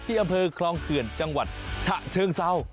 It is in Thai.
อำเภอคลองเขื่อนจังหวัดฉะเชิงเศร้า